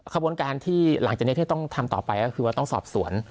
ขบวนการที่หลังจากนี้ที่จะต้องทำต่อไปก็คือว่าต้องสอบสวน